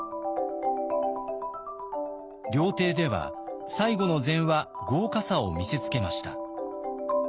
料亭では最後の膳は豪華さを見せつけました。